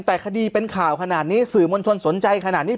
แต่คดีเป็นข่าวขนาดนี้สื่อมวลชนสนใจขนาดนี้